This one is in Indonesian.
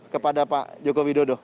kepada pak jokowi dodo